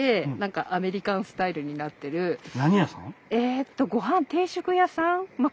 えっとごはん定食屋さん。